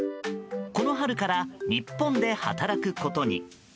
この春から日本で働くことに。